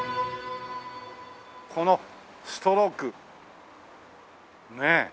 このストロークねえ。